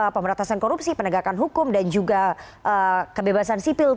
pemberantasan korupsi penegakan hukum dan juga kebebasan sipil